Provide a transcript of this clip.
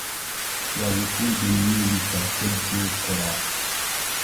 يا وفود النيل ترتج القرى